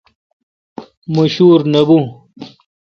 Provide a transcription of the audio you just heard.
مہ شور نہ بھون